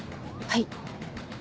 はい。